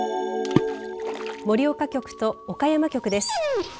盛岡局と岡山局です。